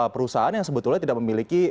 perusahaan yang sebetulnya tidak memiliki